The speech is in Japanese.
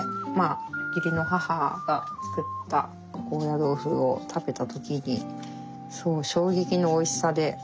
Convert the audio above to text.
義理の母が作った高野豆腐を食べた時にそう衝撃のおいしさで。